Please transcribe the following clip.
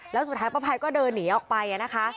แล้วสุดท้ายป้าภัยก็เดินหนีออกไปนะคะ